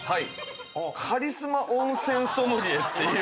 カリスマ温泉ソムリエっていう。